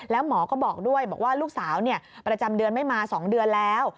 แล้วหมอก็บอกด้วยบอกว่าลูกสาวประจำเดือนไม่มา๒เดือนแล้ว